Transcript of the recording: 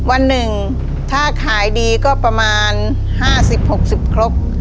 วันหนึ่งถ้าขายดีก็ประมาณ๕๐๖๐ครก